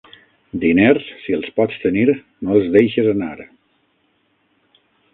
Diners, si els pots tenir, no els deixes anar.